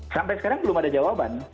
sampai sekarang belum ada jawaban